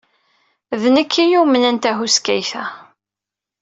D nekk ay yumnen taḥkayt-a.